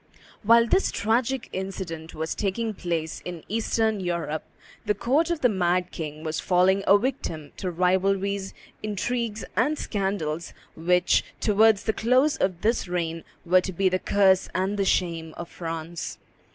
While this tragic incident was taking place in Eastern Europe, the court of the mad king was falling a victim to rivalries, intrigues, and scandals which, towards the close of this reign, were to be the curse and the shame of France.